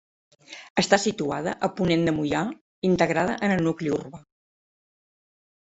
Està situada a ponent de Moià, integrada en el nucli urbà.